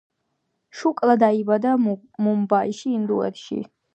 შუკლა დაიბადა მუმბაიში, ინდოეთში.